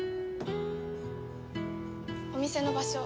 お店の場所